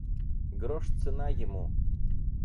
Грош цена ему.